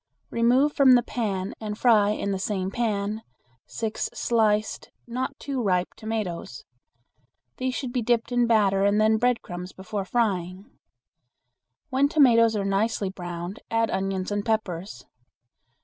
Remove from the pan and fry in the same pan six sliced not too ripe tomatoes. These should be dipped in batter and then breadcrumbs before frying. When tomatoes are nicely browned add onions and peppers.